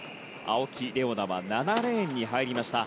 青木玲緒樹は７レーンに入りました。